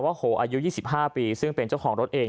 โหอายุ๒๕ปีซึ่งเป็นเจ้าของรถเอง